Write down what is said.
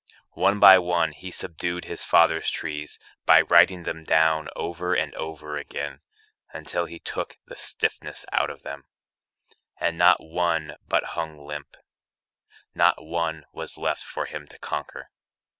One by one he subdued his father's trees By riding them down over and over again Until he took the stiffness out of them, And not one but hung limp, not one was left For him to conquer.